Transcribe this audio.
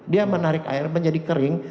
dia menarik air menjadi kering